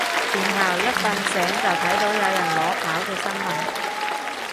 然後一瞓醒就睇到有人裸跑嘅新聞